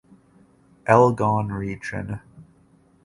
Elgon region.